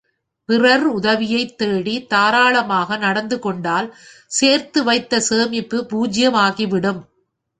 பிறர் உதவியைத் தேடித் தாராளமாக நடந்துகொண்டால் சேர்த்துவைத்த சேமிப்பு பூஜ்யம் ஆகிவிடும்.